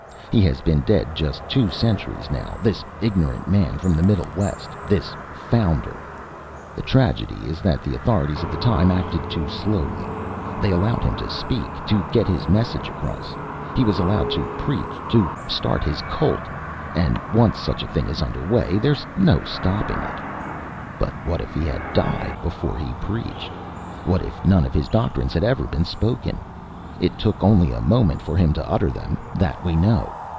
He has been dead just two centuries, now, this ignorant man from the Middle West, this Founder. The tragedy is that the authorities of the time acted too slowly. They allowed him to speak, to get his message across. He was allowed to preach, to start his cult. And once such a thing is under way, there's no stopping it. "But what if he had died before he preached? What if none of his doctrines had ever been spoken? It took only a moment for him to utter them, that we know.